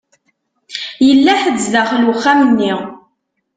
Yella ḥedd sdaxel wexxam-nni.